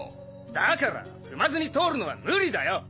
だから踏まずに通るのは無理だよ！